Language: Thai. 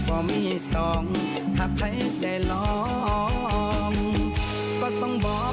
โอ้โห